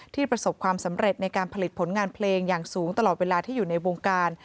ประสบความสำเร็จในการผลิตผลงานเพลงอย่างสูงตลอดเวลาที่อยู่ในวงการ